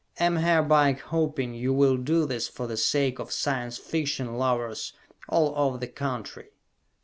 Am hereby hoping you will do this for the sake of Science Fiction lovers all over the country.